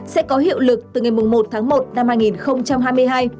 sẽ có hiệu lực từ ngày một tháng một năm hai nghìn hai mươi hai